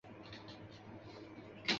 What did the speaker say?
褐头凤鹛。